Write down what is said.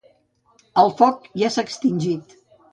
El foc ja s'ha extingit.